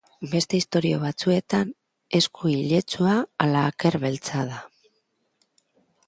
Beste istorio batzuetan esku iletsua ala aker beltza da.